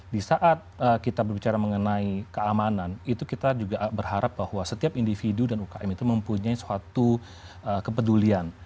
di saat kita berbicara mengenai keamanan itu kita juga berharap bahwa setiap individu dan ukm itu mempunyai suatu kepedulian